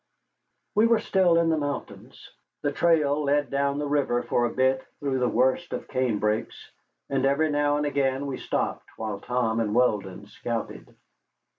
We were still in the mountains. The trail led down the river for a bit through the worst of canebrakes, and every now and again we stopped while Tom and Weldon scouted.